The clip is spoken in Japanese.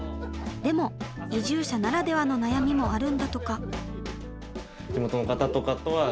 でも移住者ならではの悩みもあるんだとか。